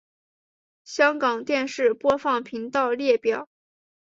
香港电视播放频道列表